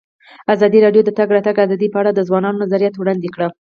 ازادي راډیو د د تګ راتګ ازادي په اړه د ځوانانو نظریات وړاندې کړي.